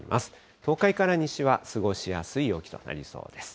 東海から西は過ごしやすい陽気となりそうです。